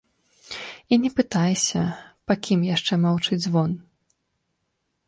І не пытайся, па кім яшчэ маўчыць звон.